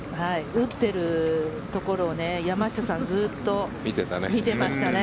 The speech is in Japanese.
打っているところを山下さんずっと見ていましたよね。